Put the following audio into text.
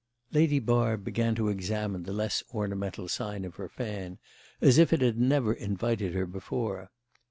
Lady Barb began to examine the less ornamental side of her fan as if it had never invited her before.